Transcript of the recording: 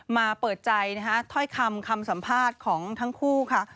มาเปิดใจท่อยคำคำสัมภาษณ์ของทั้งคู่ค่ะ